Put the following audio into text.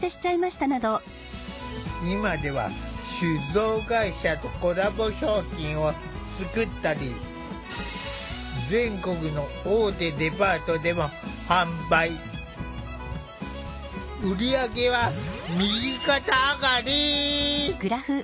今では酒造会社とコラボ商品を作ったり全国の売り上げは右肩上がり。